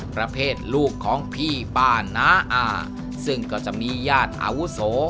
ประเภทลูกของพี่ป้าน้าอาซึ่งก็จะมีญาติอาวุโส